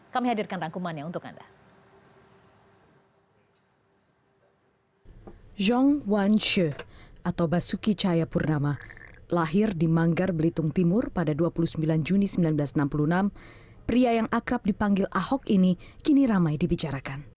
kami hadirkan rangkumannya untuk anda